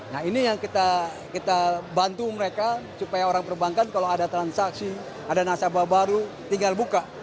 nah ini yang kita bantu mereka supaya orang perbankan kalau ada transaksi ada nasabah baru tinggal buka